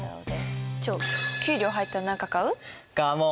給料入ったら何か買う？